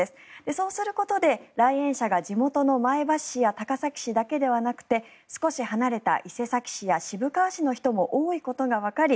そうすることで来園者が地元の前橋市や高崎市だけではなくて少し離れた伊勢崎市や渋川市の人も多いことがわかり